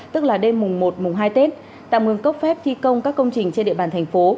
tức là đêm mùng một mùng hai tết tạm ngừng cấp phép thi công các công trình trên địa bàn thành phố